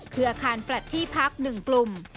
คืออาคารแฟลตที่พัก๑กลุ่ม